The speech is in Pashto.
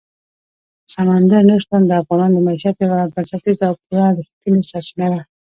سمندر نه شتون د افغانانو د معیشت یوه بنسټیزه او پوره رښتینې سرچینه ده.